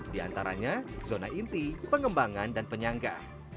di antaranya zona inti pengembangan dan penyangga